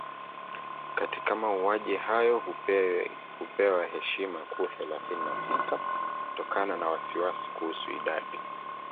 katika mauaji hayo hupewa heshima kuu Thelathini na sita Kutokana na wasiwasi kuhusu idadi